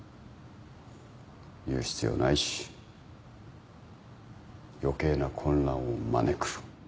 言う必要ないし余計な混乱を招く。